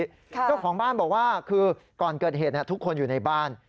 เจ้าของบ้านบอกว่าคือก่อนเกิดเหตุทุกคนอยู่ในบ้าน